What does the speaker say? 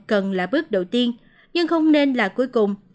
cần là bước đầu tiên nhưng không nên là cuối cùng